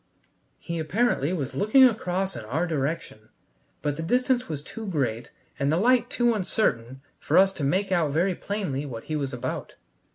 He apparently was looking across in our direction, but the distance was too great and the light too uncertain for us to make out very plainly what he was about.